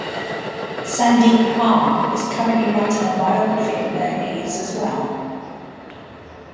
Sandeep Parmar is currently writing a biography of Mirrlees as well.